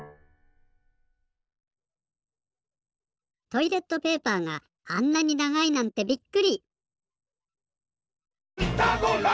トイレットペーパーがあんなにながいなんてびっくり！